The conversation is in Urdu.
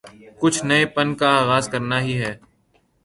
کچھ نئے پن کا آغاز کرنا ہی ہے۔